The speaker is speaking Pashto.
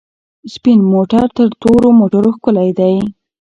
سپین موټر تر تورو موټرو ښکلی دی.